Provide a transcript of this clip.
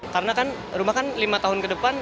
karena rumah kan lima tahun ke depan